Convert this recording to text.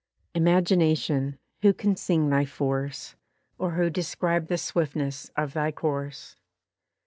Imagination! Who can sing thy force? Or who describe the swiftness of thy course?